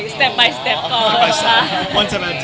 สเต็ปไปสเต็ปก่อน